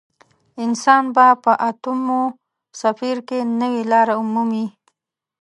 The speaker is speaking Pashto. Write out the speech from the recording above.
انسان به په اتموسفیر کې نوې لارې مومي.